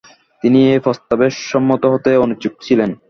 তিনি এই প্রস্তাবে সম্মত হতে অনিচ্ছুক ছিলেন।